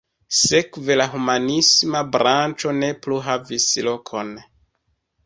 Sekve la humanisma branĉo ne plu havis lokon.